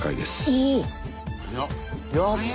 おやった！